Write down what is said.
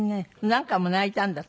何回も泣いたんだって？